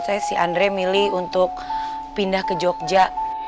saya si andre milih untuk pindah ke jogja